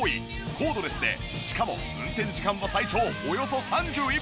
コードレスでしかも運転時間は最長およそ３１分。